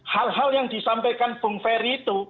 hal hal yang disampaikan bung ferry itu